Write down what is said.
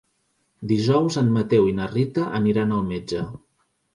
Dijous en Mateu i na Rita aniran al metge.